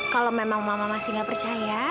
kalau memang mama masih nggak percaya